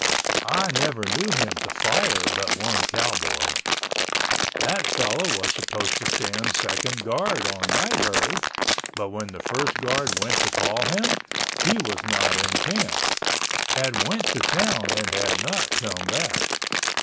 I never knew him to fire but one cowboy. That fellow was supposed to stand second guard on night herd, but when the first guard went to call him, he was not in camp—had went to town and had not come back.